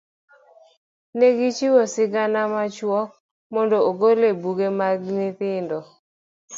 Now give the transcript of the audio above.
ne gichiwo sigana machuok mondo ogol e buge mag nyithindo.